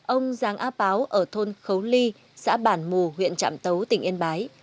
ông giang á páo ở thôn khấu ly xã bản mù huyện trạm tấu tỉnh yên bái